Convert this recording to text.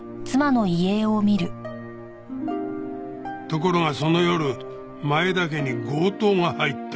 ところがその夜前田家に強盗が入った。